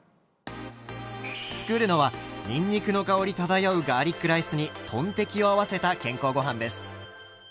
作るのはにんにくの香り漂うガーリックライスにトンテキを合わせた健康ごはんです。